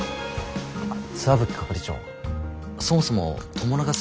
石蕗係長そもそも友永さん